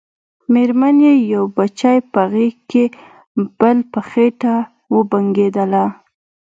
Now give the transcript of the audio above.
مېرمن يې يو بچی په غېږ کې بل په خېټه وبنګېدله.